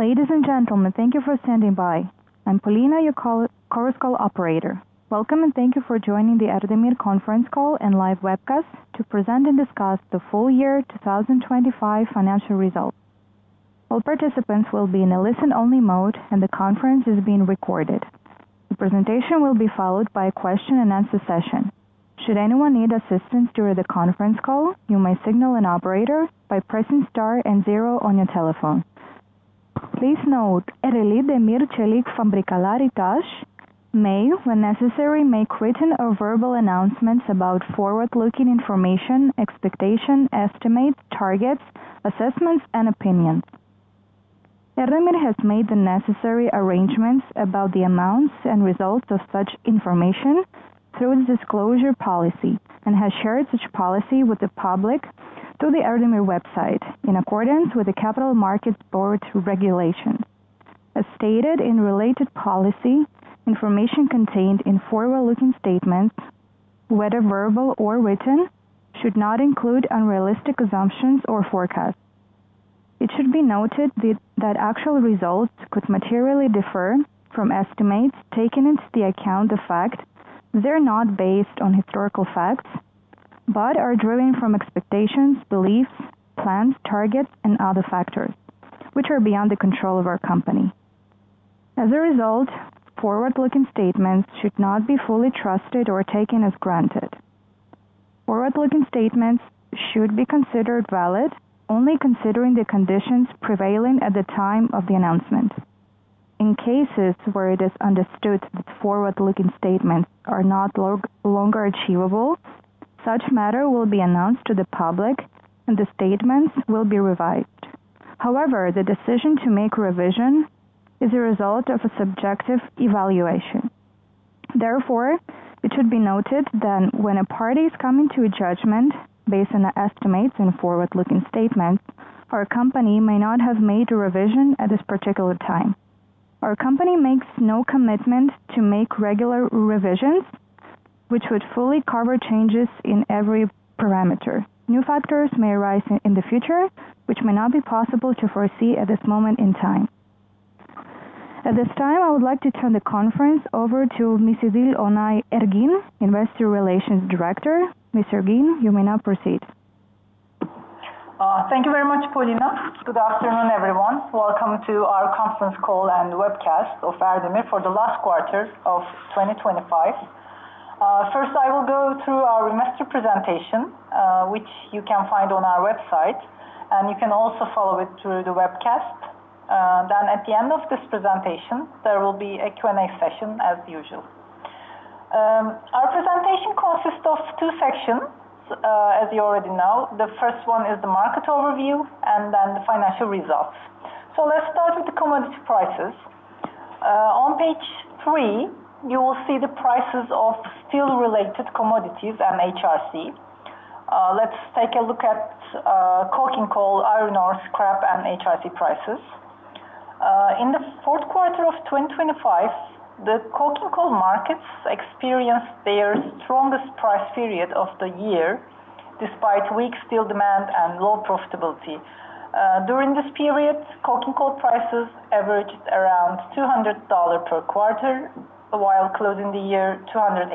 Ladies and gentlemen, thank you for standing by. I'm Paulina, your conference call operator. Welcome, and thank you for joining the Erdemir conference call and live webcast to present and discuss the full year 2025 financial results. All participants will be in a listen-only mode, and the conference is being recorded. The presentation will be followed by a question-and-answer session. Should anyone need assistance during the conference call, you may signal an operator by pressing star and zero on your telephone. Please note, Ereğli Demir ve Çelik Fabrikaları T.A.Ş. may, when necessary, make written or verbal announcements about forward-looking information, expectations, estimates, targets, assessments, and opinions. Erdemir has made the necessary arrangements about the amounts and results of such information through its disclosure policy and has shared such policy with the public through the Erdemir website in accordance with the Capital Markets Board regulation. As stated in related policy, information contained in forward-looking statements, whether verbal or written, should not include unrealistic assumptions or forecasts. It should be noted that actual results could materially differ from estimates taken into account the fact they're not based on historical facts, but are driven from expectations, beliefs, plans, targets, and other factors, which are beyond the control of our company. As a result, forward-looking statements should not be fully trusted or taken as granted. Forward-looking statements should be considered valid only considering the conditions prevailing at the time of the announcement. In cases where it is understood that forward-looking statements are no longer achievable, such matter will be announced to the public, and the statements will be revised. However, the decision to make a revision is a result of a subjective evaluation. Therefore, it should be noted that when a party is coming to a judgment based on the estimates in a forward-looking statement, our company may not have made a revision at this particular time. Our company makes no commitment to make regular revisions, which would fully cover changes in every parameter. New factors may arise in the future, which may not be possible to foresee at this moment in time. At this time, I would like to turn the conference over to Ms. Idil Onay Ergin, Investor Relations Director. Ms. Ergin, you may now proceed. Thank you very much, Paulina. Good afternoon, everyone. Welcome to our conference call and webcast of Erdemir for the last quarter of 2025. First, I will go through our semester presentation, which you can find on our website, and you can also follow it through the webcast. Then at the end of this presentation, there will be a Q&A session as usual. Our presentation consists of two sections, as you already know. The first one is the market overview and then the financial results. Let's start with the commodity prices. On page 3, you will see the prices of steel-related commodities and HRC. Let's take a look at coking coal, iron ore, scrap, and HRC prices. In the fourth quarter of 2025, the coking coal markets experienced their strongest price period of the year, despite weak steel demand and low profitability. During this period, coking coal prices averaged around $200 per quarter, while closing the year $218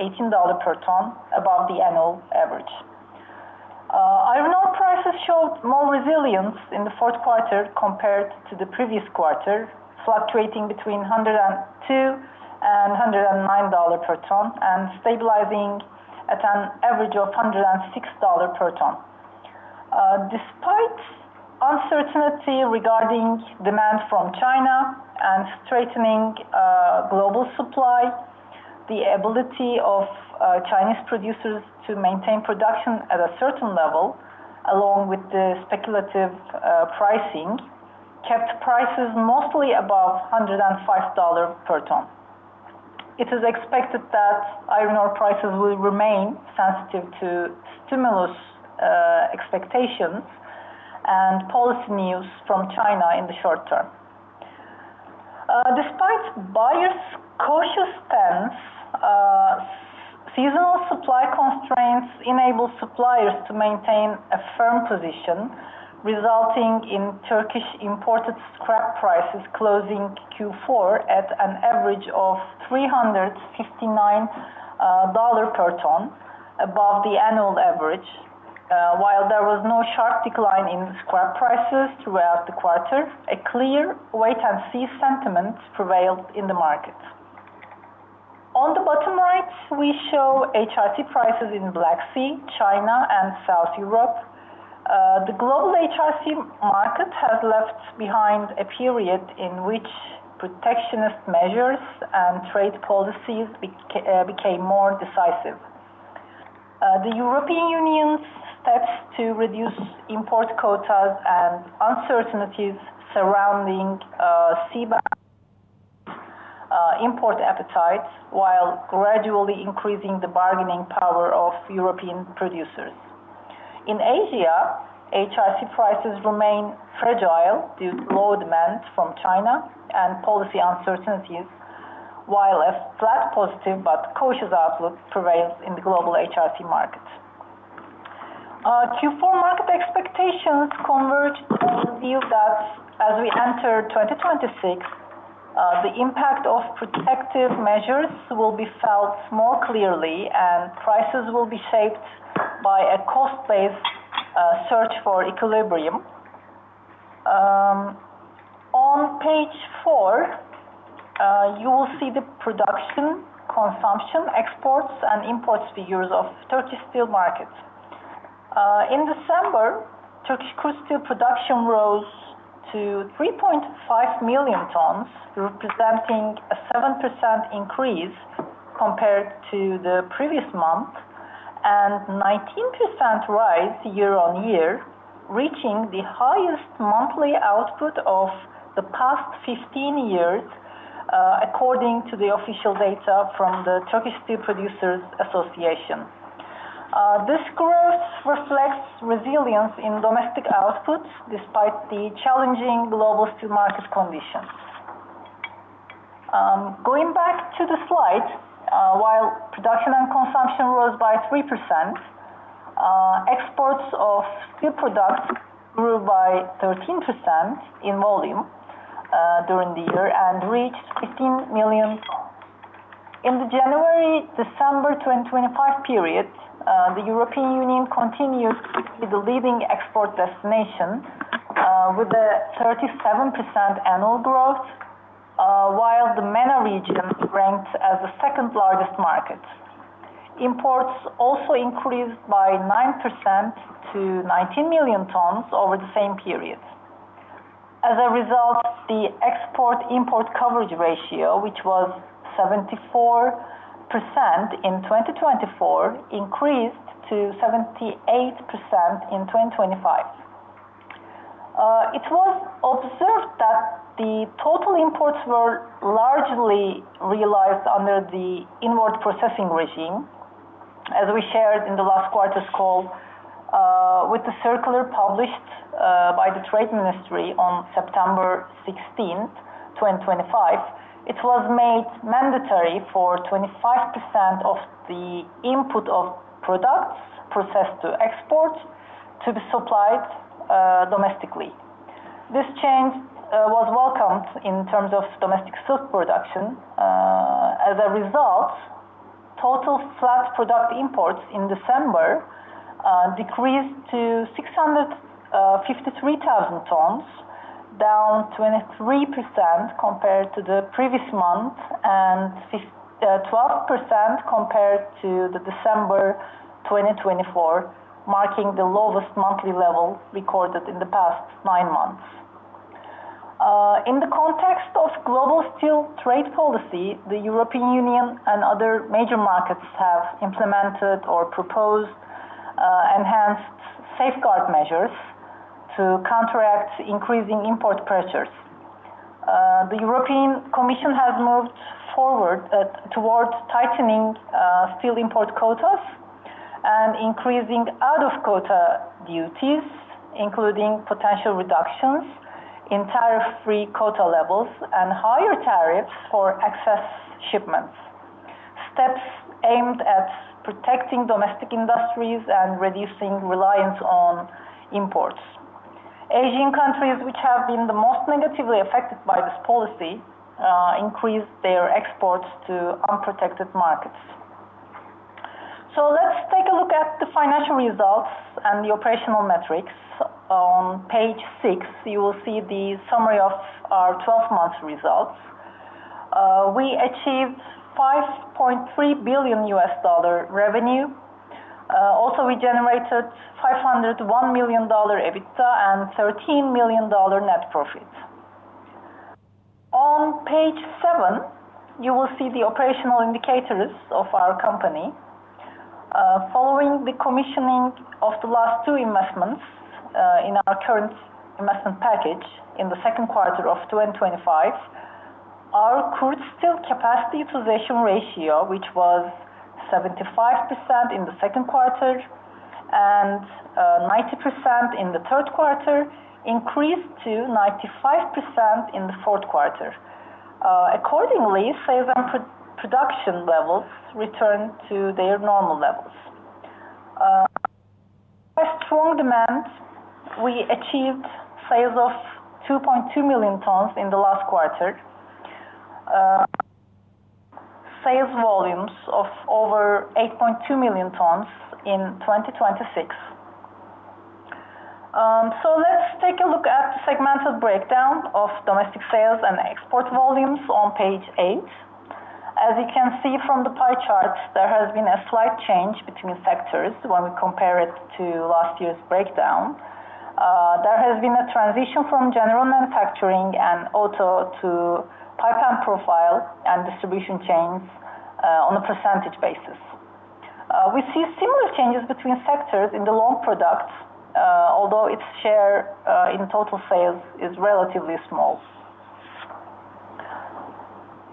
per ton above the annual average. Iron ore prices showed more resilience in the fourth quarter compared to the previous quarter, fluctuating between $102 and $109 per ton, and stabilizing at an average of $106 per ton. Despite uncertainty regarding demand from China and strengthening global supply, the ability of Chinese producers to maintain production at a certain level, along with the speculative pricing, kept prices mostly above $105 per ton. It is expected that iron ore prices will remain sensitive to stimulus expectations and policy news from China in the short term. Despite buyers' cautious stance, seasonal supply constraints enable suppliers to maintain a firm position, resulting in Turkish imported scrap prices closing Q4 at an average of $359 per ton above the annual average. While there was no sharp decline in scrap prices throughout the quarter, a clear wait-and-see sentiment prevailed in the market. On the bottom right, we show HRC prices in Black Sea, China, and South Europe. The global HRC market has left behind a period in which protectionist measures and trade policies became more decisive. The European Union's steps to reduce import quotas and uncertainties surrounding CBAM import appetite, while gradually increasing the bargaining power of European producers. In Asia, HRC prices remain fragile due to low demand from China and policy uncertainties, while a flat positive but cautious outlook prevails in the global HRC market. Q4 market expectations converge on the view that as we enter 2026, the impact of protective measures will be felt more clearly, and prices will be shaped by a cost-based search for equilibrium. On page 4, you will see the production, consumption, exports, and imports figures of Turkish steel market. In December, Turkish crude steel production rose to 3.5 million tons, representing a 7% increase compared to the previous month, and 19% rise year on year, reaching the highest monthly output of the past 15 years, according to the official data from the Turkish Steel Producers Association. This growth reflects resilience in domestic output, despite the challenging global steel market conditions. Going back to the slide, while production and consumption rose by 3%, exports of steel products grew by 13% in volume, during the year and reached 15 million tons. In the January-December 2025 period, the European Union continued to be the leading export destination, with a 37% annual growth, while the MENA region ranked as the second largest market. Imports also increased by 9% to 19 million tons over the same period. As a result, the export-import coverage ratio, which was 74% in 2024, increased to 78% in 2025. It was observed that the total imports were largely realized under the inward processing regime. As we shared in the last quarter's call, with the circular published by the Trade Ministry on September 16, 2025, it was made mandatory for 25% of the input of products processed to export to be supplied domestically. This change was welcomed in terms of domestic steel production. As a result, total flat product imports in December decreased to 653,000 tons, down 23% compared to the previous month and 12% compared to December 2024, marking the lowest monthly level recorded in the past nine months. In the context of global steel trade policy, the European Union and other major markets have implemented or proposed enhanced safeguard measures to counteract increasing import pressures. The European Commission has moved forward towards tightening steel import quotas and increasing out-of-quota duties, including potential reductions in tariff-free quota levels and higher tariffs for excess shipments. Steps aimed at protecting domestic industries and reducing reliance on imports. Asian countries, which have been the most negatively affected by this policy, increased their exports to unprotected markets. So let's take a look at the financial results and the operational metrics. On page 6, you will see the summary of our 12 months results. We achieved $5.3 billion revenue. Also, we generated $501 million EBITDA and $13 million net profit. On page 7, you will see the operational indicators of our company. Following the commissioning of the last two investments in our current investment package in the second quarter of 2025, our crude steel capacity utilization ratio, which was 75% in the second quarter and 90% in the third quarter, increased to 95% in the fourth quarter. Accordingly, sales and production levels returned to their normal levels. As strong demand, we achieved sales of 2.2 million tons in the last quarter, sales volumes of over 8.2 million tons in 2026. So let's take a look at the segmental breakdown of domestic sales and export volumes on page 8. As you can see from the pie chart, there has been a slight change between sectors when we compare it to last year's breakdown. There has been a transition from general manufacturing and auto to pipe and profile and distribution chains, on a percentage basis. We see similar changes between sectors in the long products, although its share in total sales is relatively small.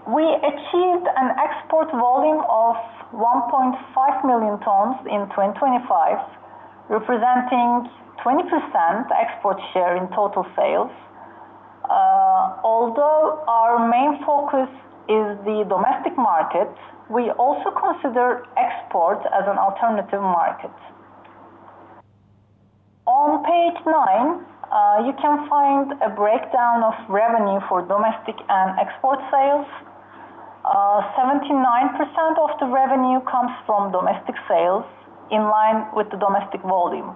We achieved an export volume of 1.5 million tons in 2025, representing 20% export share in total sales.... Although our main focus is the domestic market, we also consider export as an alternative market. On page 9, you can find a breakdown of revenue for domestic and export sales. 79% of the revenue comes from domestic sales, in line with the domestic volume.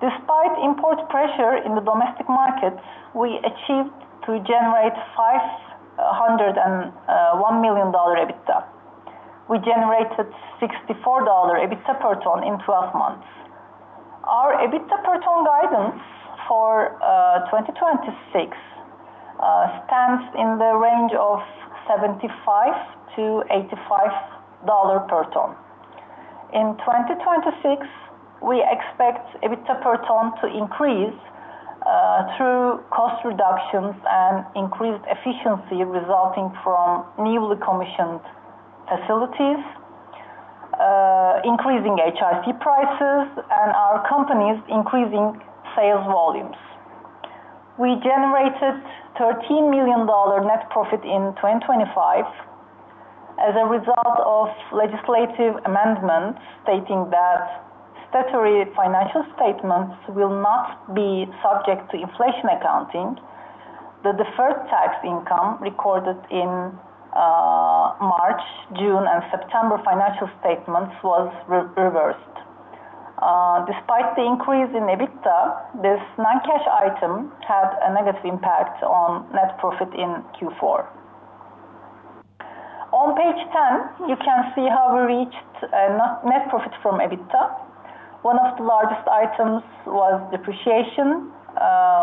Despite import pressure in the domestic market, we achieved to generate $501 million EBITDA. We generated $64 EBITDA per ton in 12 months. Our EBITDA per ton guidance for 2026 stands in the range of $75-$85 per ton. In 2026, we expect EBITDA per ton to increase through cost reductions and increased efficiency resulting from newly commissioned facilities, increasing HRC prices, and our company's increasing sales volumes. We generated $13 million net profit in 2025. As a result of legislative amendments, stating that statutory financial statements will not be subject to inflation accounting, the deferred tax income recorded in March, June, and September financial statements was re-reversed. Despite the increase in EBITDA, this non-cash item had a negative impact on net profit in Q4. On page 10, you can see how we reached net profit from EBITDA. One of the largest items was depreciation,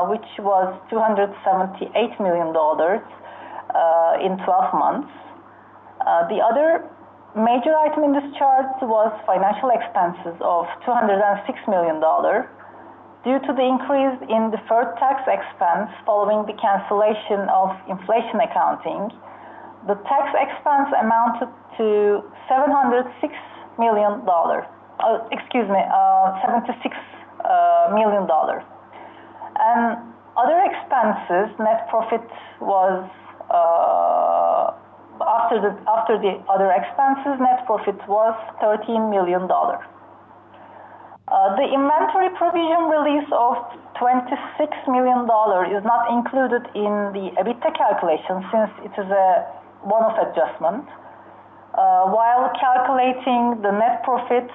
which was $278 million in 12 months. The other major item in this chart was financial expenses of $206 million. Due to the increase in deferred tax expense following the cancellation of inflation accounting, the tax expense amounted to $706 million. Excuse me, $76 million. Other expenses, net profit was. After the other expenses, net profit was $13 million. The inventory provision release of $26 million is not included in the EBITDA calculation since it is a one-off adjustment. While calculating the net profit,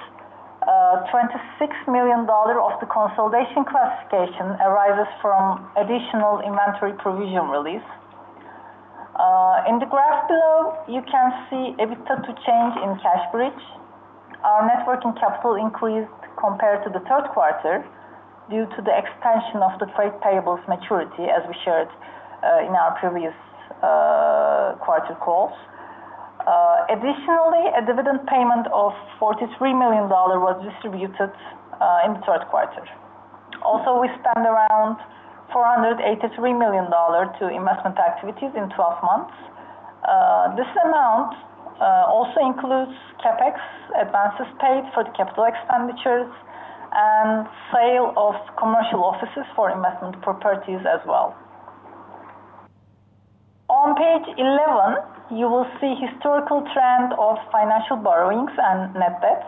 $26 million of the consolidation classification arises from additional inventory provision release. In the graph below, you can see EBITDA to change in cash bridge. Our net working capital increased compared to the third quarter due to the extension of the trade payables maturity, as we shared in our previous quarter calls. Additionally, a dividend payment of $43 million was distributed in the third quarter. Also, we spent around $483 million to investment activities in 12 months. This amount also includes CapEx, advances paid for the capital expenditures, and sale of commercial offices for investment properties as well. On page 11, you will see historical trend of financial borrowings and net debts.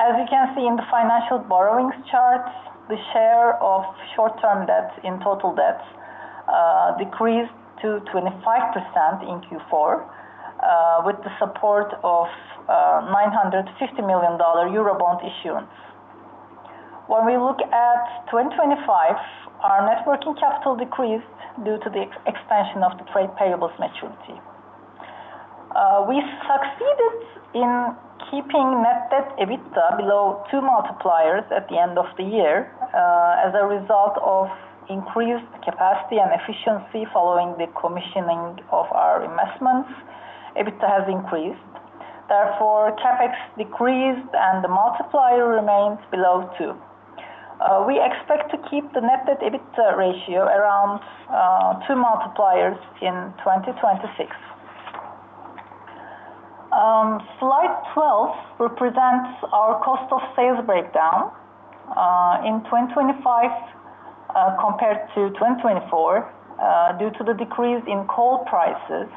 As you can see in the financial borrowings chart, the share of short-term debt in total debts decreased to 25% in Q4 with the support of $950 million Eurobond issuance. When we look at 2025, our net working capital decreased due to the expansion of the trade payables maturity. We succeeded in keeping net debt/EBITDA below 2 multipliers at the end of the year. As a result of increased capacity and efficiency following the commissioning of our investments, EBITDA has increased. Therefore, CapEx decreased and the multiplier remains below 2. We expect to keep the net debt EBITDA ratio around 2 multipliers in 2026. Slide 12 represents our cost of sales breakdown in 2025 compared to 2024. Due to the decrease in coal prices,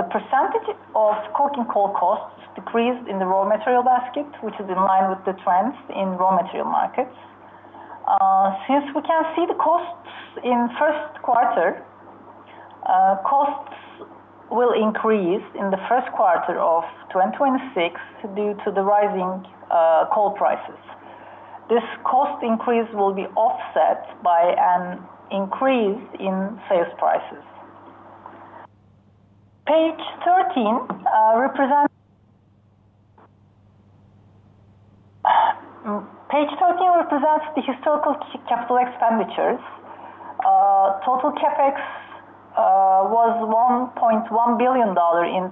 the percentage of coking coal costs decreased in the raw material basket, which is in line with the trends in raw material markets. Since we can see the costs in first quarter, costs will increase in the first quarter of 2026 due to the rising coal prices. This cost increase will be offset by an increase in sales prices. Page 13 represents the historical capital expenditures. Total CapEx was $1.1 billion in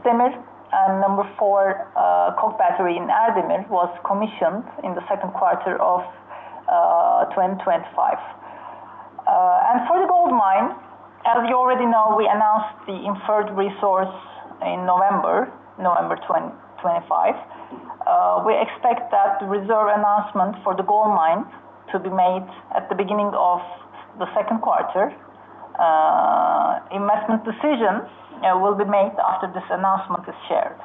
Erdemir and number 4 coke battery in Erdemir was commissioned in the second quarter of 2025. And for the gold mine, as you already know, we announced the inferred resource in November 2025. We expect that the reserve announcement for the gold mine to be made at the beginning of the second quarter. Investment decisions will be made after this announcement is shared.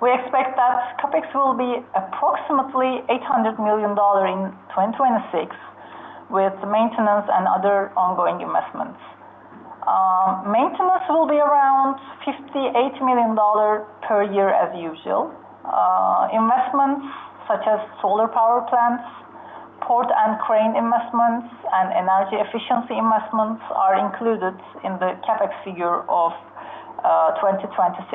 We expect that CapEx will be approximately $800 million in 2026, with maintenance and other ongoing investments. Maintenance will be around $58 million per year as usual. Investments such as solar power plants, port and crane investments, and energy efficiency investments are included in the CapEx figure of 2026.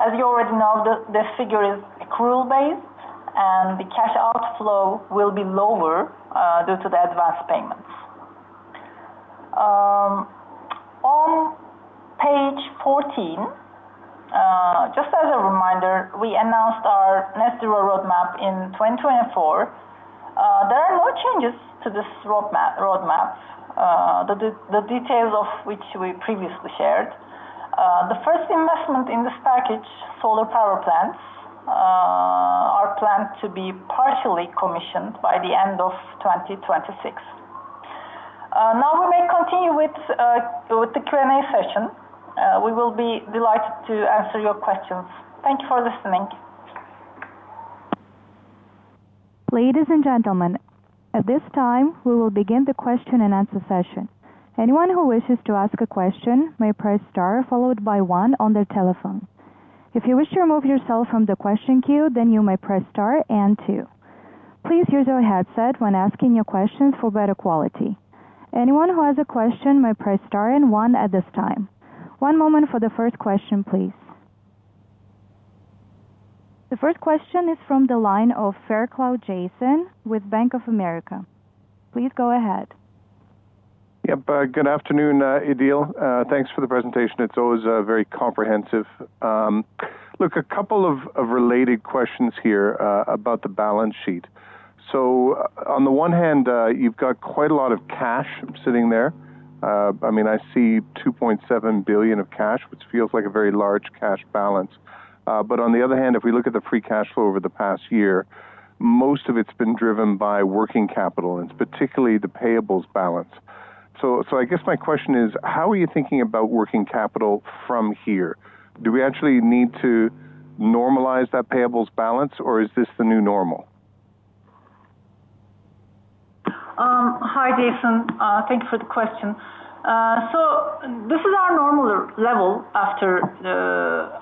As you already know, this figure is accrual-based, and the cash outflow will be lower due to the advanced payments. On page 14, just as a reminder, we announced our net zero roadmap in 2024. There are no changes to this roadmap, the details of which we previously shared. The first investment in this package, solar power plants, are planned to be partially commissioned by the end of 2026. Now we may continue with the Q&A session. We will be delighted to answer your questions. Thank you for listening. Ladies and gentlemen, at this time, we will begin the question-and-answer session. Anyone who wishes to ask a question may press star, followed by one on their telephone. If you wish to remove yourself from the question queue, then you may press star and two. Please use your headset when asking your questions for better quality. Anyone who has a question may press star and one at this time. One moment for the first question, please. The first question is from the line of Jason Fairclough with Bank of America. Please go ahead. Yep. Good afternoon, Idil. Thanks for the presentation. It's always very comprehensive. Look, a couple of related questions here about the balance sheet. So on the one hand, you've got quite a lot of cash sitting there. I mean, I see $2.7 billion of cash, which feels like a very large cash balance. But on the other hand, if we look at the free cash flow over the past year, most of it's been driven by working capital, and it's particularly the payables balance. So I guess my question is, how are you thinking about working capital from here? Do we actually need to normalize that payables balance, or is this the new normal? Hi, Jason. Thank you for the question. So this is our normal level after,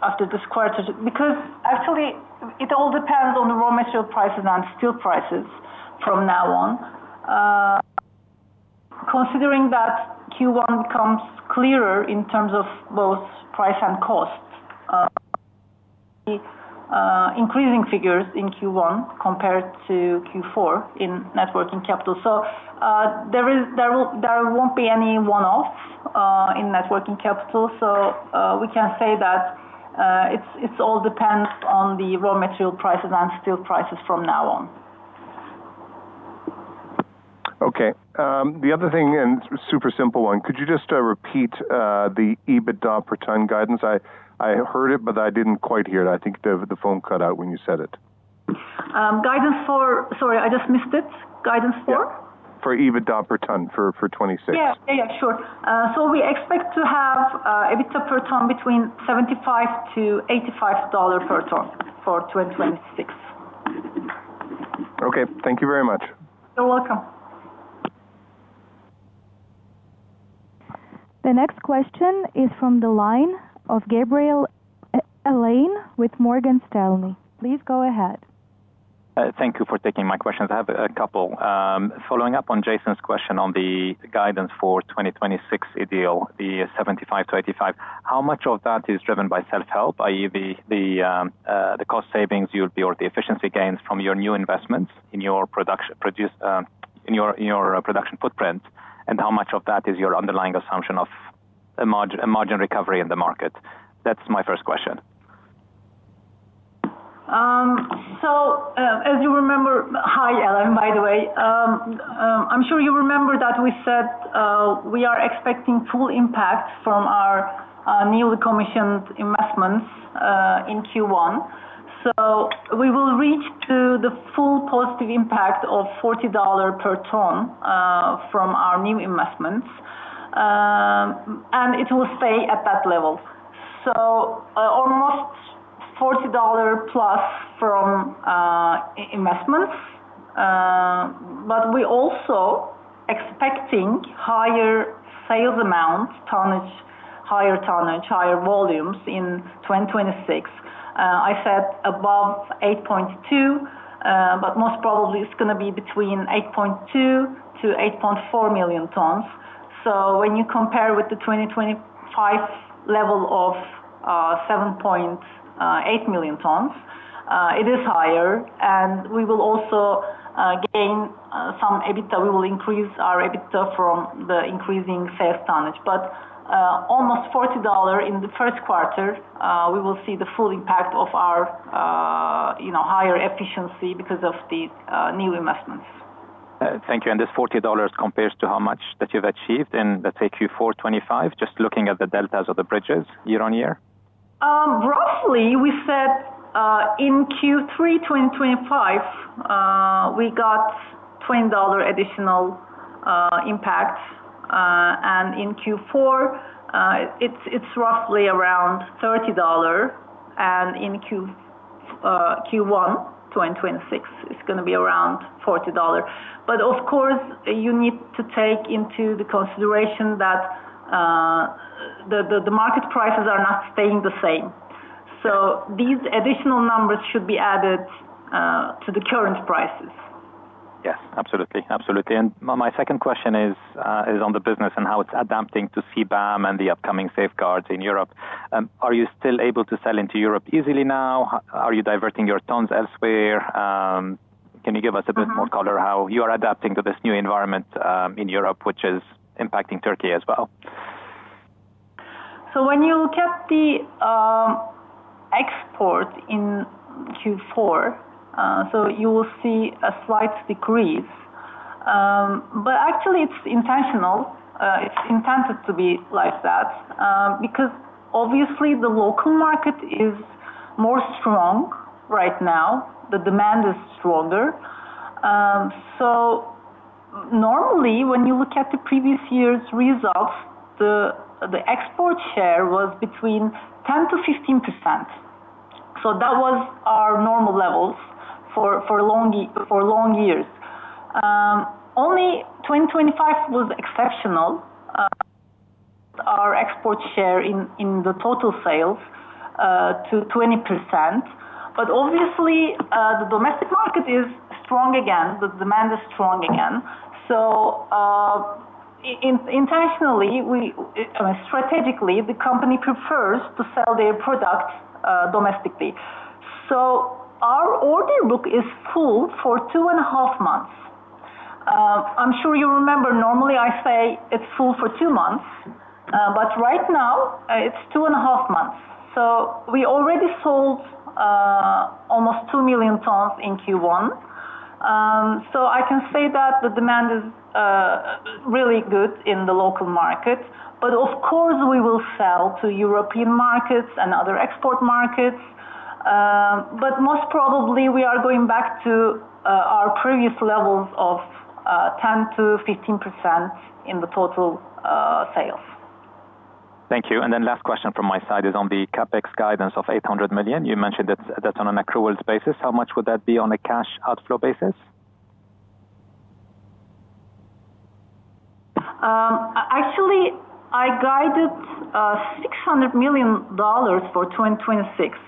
after this quarter, because actually, it all depends on the raw material prices and steel prices from now on. Considering that Q1 becomes clearer in terms of both price and costs, increasing figures in Q1 compared to Q4 in Net Working Capital. So, there won't be any one-off, in Net Working Capital. So, we can say that, it's all depends on the raw material prices and steel prices from now on. Okay. The other thing, and super simple one, could you just repeat the EBITDA per ton guidance? I, I heard it, but I didn't quite hear it. I think the, the phone cut out when you said it. Guidance for... Sorry, I just missed it. Guidance for? For EBITDA per ton, $26. Yeah. Yeah, sure. So we expect to have EBITDA per ton between $75-$85 per ton for 2026. Okay. Thank you very much. You're welcome. The next question is from the line of Alain Gabriel with Morgan Stanley. Please go ahead. Thank you for taking my questions. I have a couple. Following up on Jason's question on the guidance for 2026, Idil, the 75-85, how much of that is driven by self-help, i.e., the cost savings you'll be, or the efficiency gains from your new investments in your production, in your production footprint, and how much of that is your underlying assumption of a margin recovery in the market? That's my first question. So, as you remember... Hi, Alain, by the way. I'm sure you remember that we said we are expecting full impact from our newly commissioned investments in Q1. So we will reach to the full positive impact of $40 per ton from our new investments, and it will stay at that level. So, almost $40+ from investments, but we're also expecting higher sales amounts, tonnage, higher tonnage, higher volumes in 2026. I said above 8.2, but most probably it's going to be between 8.2-8.4 million tons. So when you compare with the 2025 level of 7.8 million tons, it is higher, and we will also gain some EBITDA. We will increase our EBITDA from the increasing sales tonnage, but almost $40 in the first quarter, we will see the full impact of our, you know, higher efficiency because of the new investments. ... Thank you. This $40 compares to how much that you've achieved in, let's say, Q4 2025, just looking at the deltas of the bridges year-on-year? Roughly, we said, in Q3 2025, we got $20 additional impact. And in Q4, it's roughly around $30, and in Q1 2026, it's going to be around $40. But of course, you need to take into the consideration that the market prices are not staying the same. So these additional numbers should be added to the current prices. Yes, absolutely. Absolutely. And my, my second question is on the business and how it's adapting to CBAM and the upcoming safeguards in Europe. Are you still able to sell into Europe easily now? Are you diverting your tons elsewhere? Can you give us a bit more color how you are adapting to this new environment, in Europe, which is impacting Turkey as well? So when you look at the export in Q4, so you will see a slight decrease. But actually it's intentional. It's intended to be like that, because obviously the local market is more strong right now. The demand is stronger. So normally, when you look at the previous year's results, the export share was between 10%-15%. So that was our normal levels for long years. Only 2025 was exceptional. Our export share in the total sales to 20%. But obviously, the domestic market is strong again, the demand is strong again. So in internationally, we strategically, the company prefers to sell their product domestically. So our order book is full for two and a half months. I'm sure you remember, normally I say it's full for two months, but right now it's two and a half months. So we already sold almost 2 million tons in Q1. So I can say that the demand is really good in the local markets, but of course, we will sell to European markets and other export markets. But most probably we are going back to our previous levels of 10%-15% in the total sales. Thank you. And then last question from my side is on the CapEx guidance of $800 million. You mentioned that's on an accrual basis. How much would that be on a cash outflow basis? Actually, I guided $600 million for 2026.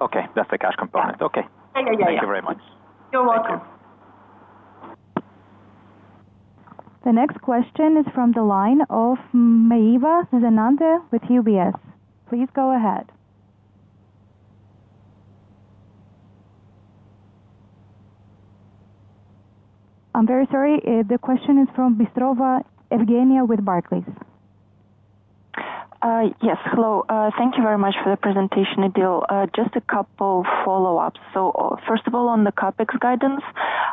Okay. That's the cash component. Yeah. Okay. Yeah. Yeah, yeah. Thank you very much. You're welcome. The next question is from the line of Zenande Meyiwa with UBS. Please go ahead. I'm very sorry. The question is from Evgeniya Bystrova with Barclays. Yes. Hello. Thank you very much for the presentation, Idil. Just a couple follow-ups. So, first of all, on the CapEx guidance,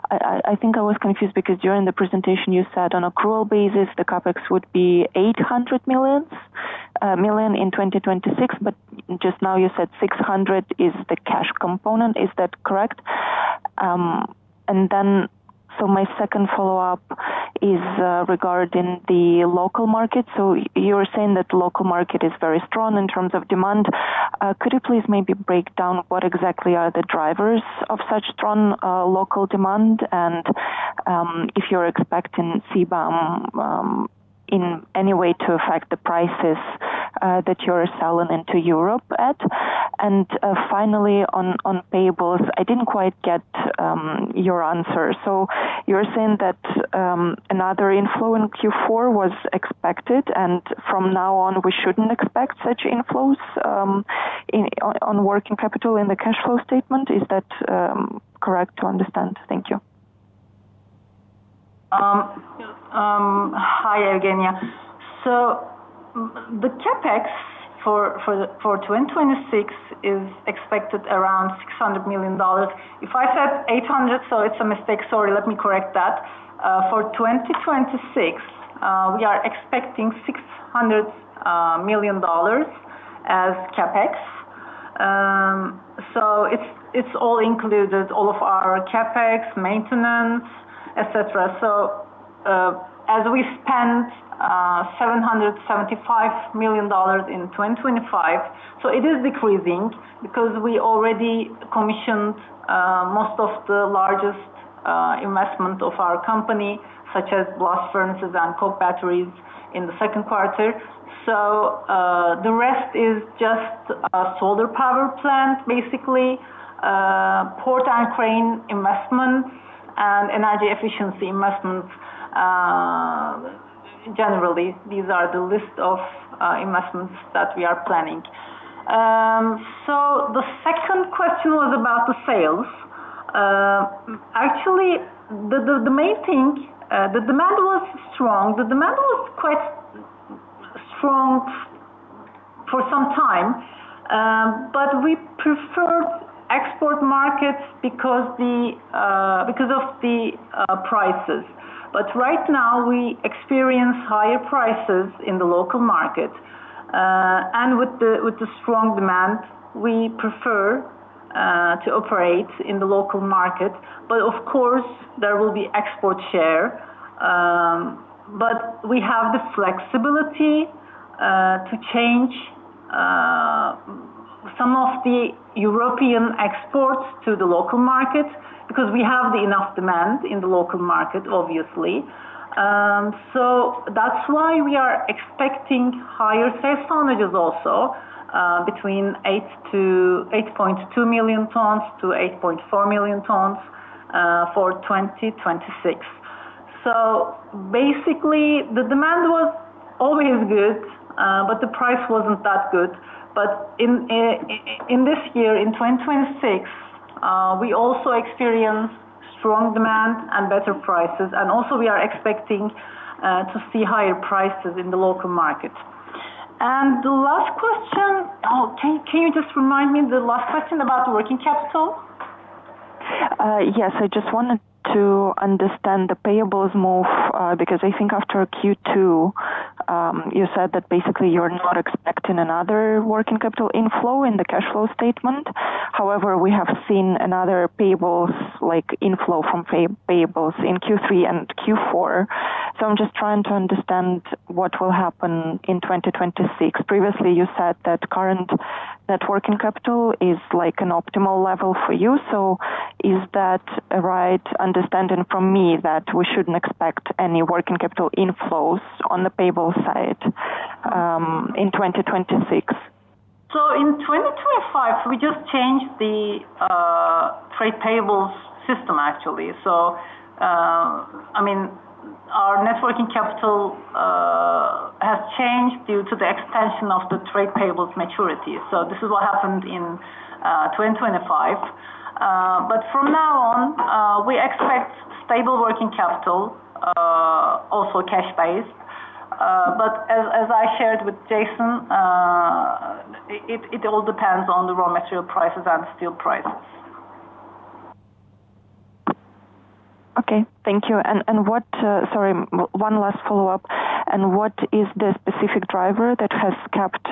I think I was confused because during the presentation, you said on accrual basis, the CapEx would be $800 million in 2026, but just now you said $600 million is the cash component. Is that correct? And then, so my second follow-up is regarding the local market. So you were saying that the local market is very strong in terms of demand. Could you please maybe break down what exactly are the drivers of such strong local demand, and if you're expecting CBAM in any way to affect the prices that you're selling into Europe at? And finally, on payables, I didn't quite get your answer. So you're saying that another inflow in Q4 was expected, and from now on, we shouldn't expect such inflows in working capital in the cash flow statement? Is that correct to understand? Thank you. Hi, Evgeniia. So the CapEx for 2026 is expected around $600 million. If I said $800 million, so it's a mistake. Sorry, let me correct that. For 2026, we are expecting $600 million as CapEx. So it's all included, all of our CapEx, maintenance, et cetera. So, as we spent $775 million in 2025, so it is decreasing because we already commissioned most of the largest investment of our company, such as blast furnaces and coke batteries in the second quarter. So, the rest is just a solar power plant, basically, port and crane investments and energy efficiency investments. Generally, these are the list of investments that we are planning. So the second question was about the sales. Actually, the main thing, the demand was strong. The demand was quite strong for some time. We prefer export markets because of the prices. Right now, we experience higher prices in the local market, and with the strong demand, we prefer to operate in the local market. Of course, there will be export share. We have the flexibility to change some of the European exports to the local markets, because we have enough demand in the local market, obviously. That's why we are expecting higher sales tonnages also, between 8-8.2 million tons to 8.4 million tons for 2026. Basically, the demand was always good, but the price wasn't that good. But in this year, in 2026, we also experienced strong demand and better prices, and also we are expecting to see higher prices in the local market. And the last question... Oh, can you just remind me the last question about the working capital? Yes. I just wanted to understand the payables move, because I think after Q2, you said that basically you're not expecting another working capital inflow in the cash flow statement. However, we have seen another payables, like, inflow from payables in Q3 and Q4. So I'm just trying to understand what will happen in 2026. Previously, you said that current net working capital is like an optimal level for you. So is that a right understanding from me that we shouldn't expect any working capital inflows on the payable side, in 2026? So in 2025, we just changed the, trade payables system, actually. So, I mean, our Net Working Capital, has changed due to the extension of the trade payables maturity. So this is what happened in, 2025. But from now on, we expect stable working capital, also cash-based. But as, as I shared with Jason, it, it all depends on the raw material prices and steel prices. Okay, thank you. And, and what, sorry, one last follow-up. And what is the specific driver that has kept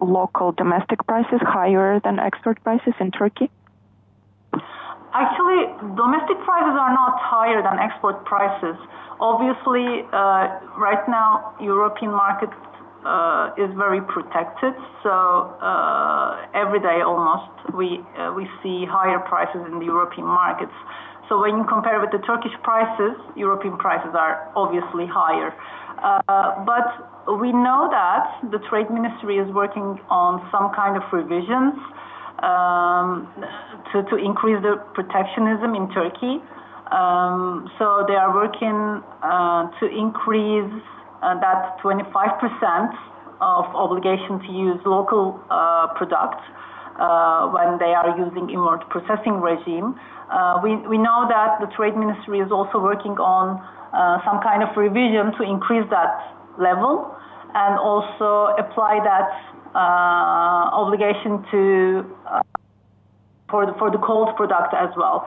local domestic prices higher than export prices in Turkey? Actually, domestic prices are not higher than export prices. Obviously, right now, European markets is very protected, so, every day, almost, we see higher prices in the European markets. So when you compare with the Turkish prices, European prices are obviously higher. But we know that the Trade Ministry is working on some kind of revisions to increase the protectionism in Turkey. So they are working to increase that 25% of obligation to use local products when they are using import processing regime. We know that the Trade Ministry is also working on some kind of revision to increase that level and also apply that obligation to for the cold product as well.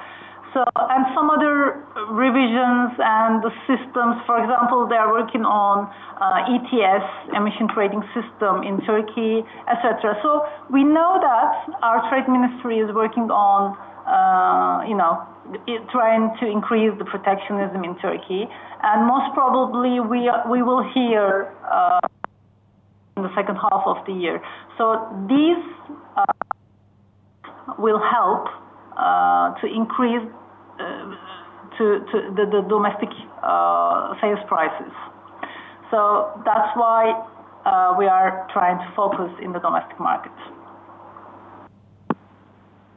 So, and some other revisions and the systems, for example, they are working on ETS, Emission Trading System in Turkey, etc. So we know that our Trade Ministry is working on, you know, trying to increase the protectionism in Turkey, and most probably, we will hear in the second half of the year. So this will help to increase the domestic sales prices. So that's why we are trying to focus in the domestic markets.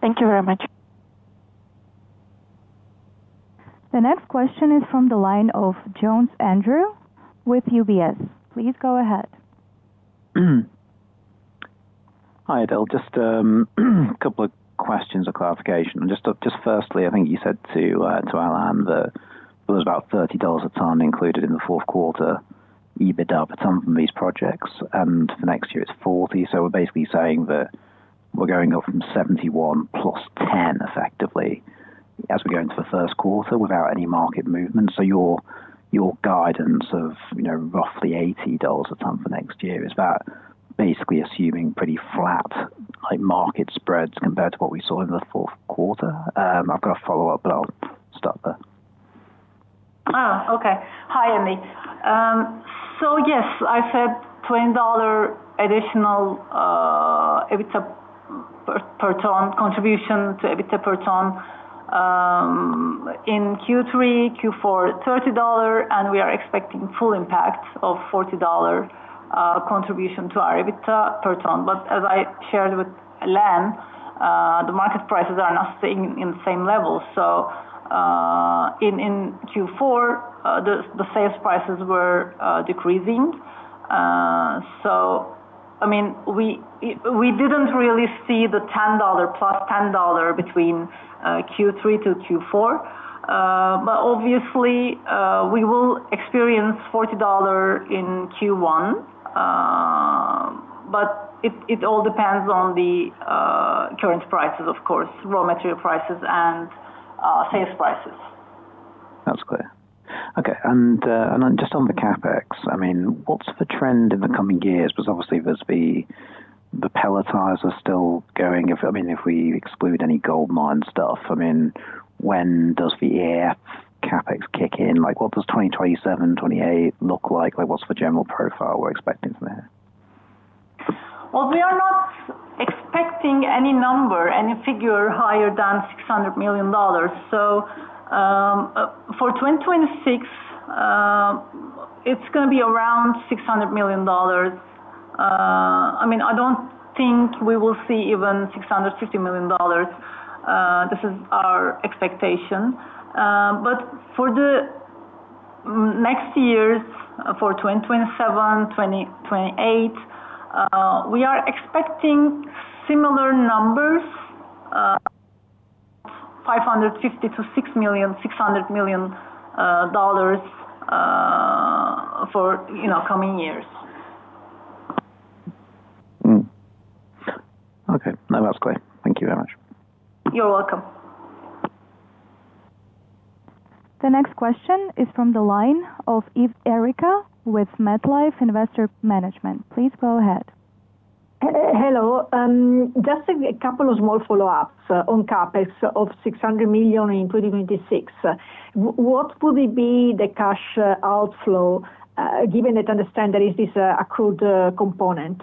Thank you very much. The next question is from the line of Andrew Jones with UBS. Please go ahead. Hi, Idil. Just a couple of questions or clarification. Just firstly, I think you said to Alain that there was about $30 a ton included in the fourth quarter EBITDA, but some from these projects, and the next year it's 40. So we're basically saying that we're going up from 71 + 10, effectively, as we go into the first quarter without any market movement. So your guidance of, you know, roughly $80 a ton for next year, is that basically assuming pretty flat, like, market spreads compared to what we saw in the fourth quarter? I've got a follow-up, but I'll stop there. Oh, okay. Hi, Andy. So yes, I said $20 additional EBITDA per ton contribution to EBITDA per ton in Q3, Q4 $30, and we are expecting full impact of $40 contribution to our EBITDA per ton. But as I shared with Alain, the market prices are not staying in the same level. So in Q4, the sales prices were decreasing. So I mean, we didn't really see the $10 plus $10 between Q3 to Q4. But obviously, we will experience $40 in Q1. But it all depends on the current prices, of course, raw material prices and sales prices. That's clear. Okay, and then just on the CapEx, I mean, what's the trend in the coming years? Because obviously, there's the pelletizers are still going. If, I mean, if we exclude any gold mine stuff, I mean, when does the Erdemir CapEx kick in? Like, what does 2027, 2028 look like? Like, what's the general profile we're expecting from there? Well, we are not expecting any number, any figure higher than $600 million. So, for 2026, it's gonna be around $600 million. I mean, I don't think we will see even $650 million. This is our expectation. But for the next years, for 2027, 2028, we are expecting similar numbers, $550 million-$600 million dollars for, you know, coming years. Mm. Okay, no, that's clear. Thank you very much. You're welcome. The next question is from the line of Erica Ives with MetLife Investment Management. Please go ahead. Hello. Just a couple of small follow-ups on CapEx of $600 million in 2026. What would it be the cash outflow, given that understand there is this accrued component?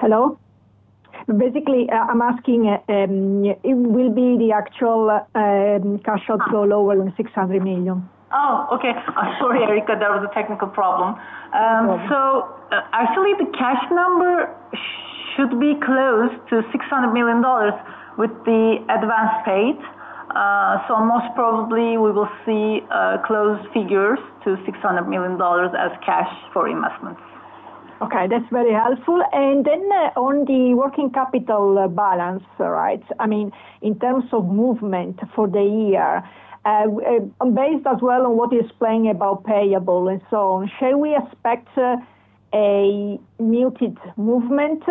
Hello? Basically, I'm asking, it will be the actual cash outflow lower than $600 million. Oh, okay. I'm sorry, Erica, there was a technical problem. No problem. Actually, the cash number should be close to $600 million with the advanced rate. So most probably we will see close figures to $600 million as cash for investments. Okay, that's very helpful. And then, on the working capital balance, right? I mean, in terms of movement for the year, based as well on what you're explaining about payable and so on, shall we expect a muted movement,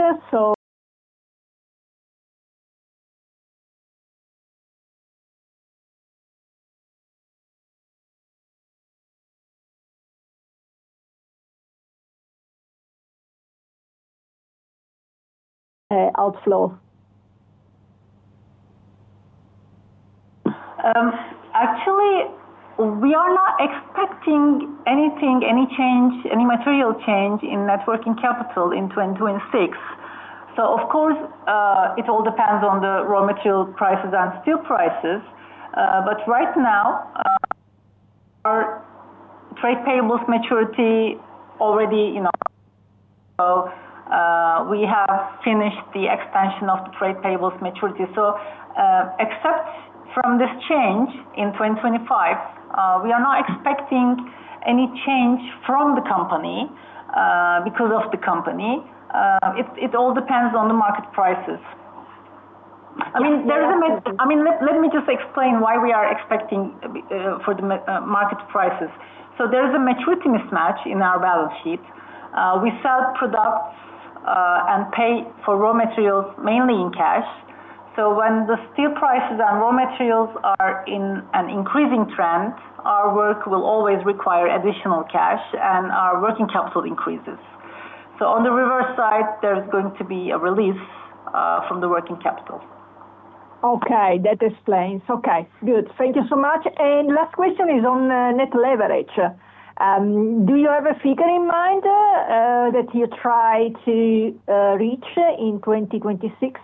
so... outflow? Actually, we are not expecting anything, any change, any material change in Net Working Capital in 2026. So of course, it all depends on the raw material prices and steel prices. But right now, our trade payables maturity already, you know, so, we have finished the expansion of trade payables maturity. So, except from this change in 2025, we are not expecting any change from the company, because of the company. It, it all depends on the market prices. I mean, let me just explain why we are expecting for the market prices. So there's a maturity mismatch in our balance sheet. We sell products, and pay for raw materials mainly in cash. When the steel prices and raw materials are in an increasing trend, our work will always require additional cash, and our working capital increases. On the reverse side, there's going to be a release from the working capital. Okay, that explains. Okay, good. Thank you so much. Last question is on net leverage. Do you have a figure in mind that you try to reach in 2026?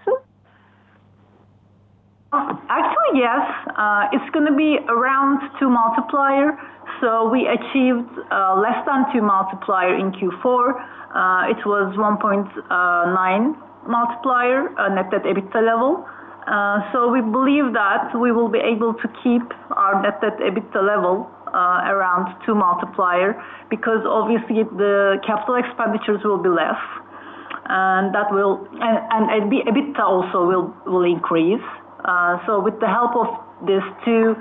Actually, yes. It's gonna be around 2x multiplier. So we achieved less than 2x multiplier in Q4. It was 1.9x multiplier, net debt/EBITDA level. So we believe that we will be able to keep our net debt/EBITDA level around 2x multiplier, because obviously, the capital expenditures will be less, and that will... And EBITDA also will increase. So with the help of these two,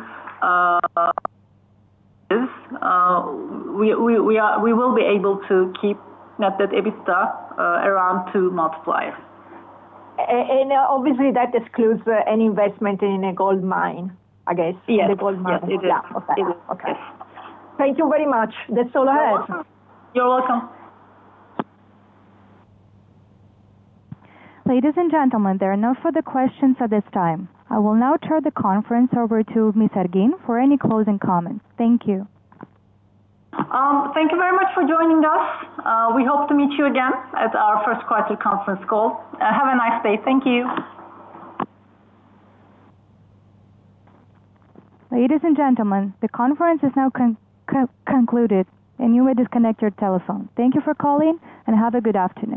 we will be able to keep net debt/EBITDA around 2x multipliers. And obviously, that excludes any investment in a gold mine, I guess? Yes. In the gold mine. Yes, it is. Yeah. Okay. It is. Okay. Thank you very much. That's all I have. You're welcome. Ladies and gentlemen, there are no further questions at this time. I will now turn the conference over to Ms. Ergin for any closing comments. Thank you. Thank you very much for joining us. We hope to meet you again at our first quarter conference call. Have a nice day. Thank you. Ladies and gentlemen, the conference is now concluded, and you may disconnect your telephone. Thank you for calling, and have a good afternoon.